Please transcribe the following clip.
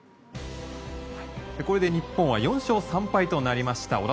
これで日本は４勝３敗となりました。